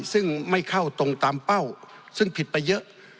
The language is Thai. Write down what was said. ซึ่งไม่เข้าตรงตามเป้าซึ่งผิดไปเยอะ